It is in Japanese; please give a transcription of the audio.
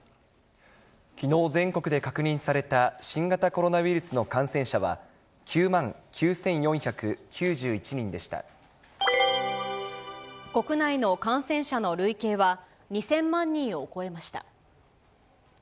きのう、全国で確認された新型コロナウイルスの感染者は、９万９４９１人国内の感染者の累計は、２０００万人を超えました。